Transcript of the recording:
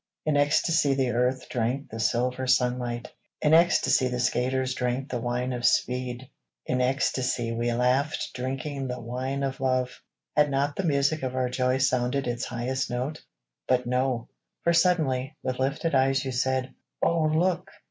In ecstasy the earth Drank the silver sunlight; In ecstasy the skaters Drank the wine of speed; In ecstasy we laughed Drinking the wine of love. Had not the music of our joy Sounded its highest note? But no, For suddenly, with lifted eyes you said, "Oh look!"